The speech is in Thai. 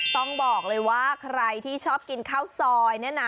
ต้องบอกเลยว่าใครที่ชอบกินข้าวซอยเนี่ยนะ